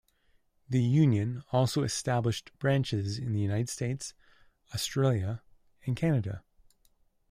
The union also established branches in the United States, Australia, and Canada.